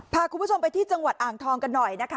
พาคุณผู้ชมไปที่จังหวัดอ่างทองกันหน่อยนะคะ